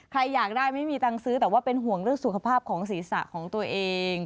อยากได้ไม่มีตังค์ซื้อแต่ว่าเป็นห่วงเรื่องสุขภาพของศีรษะของตัวเอง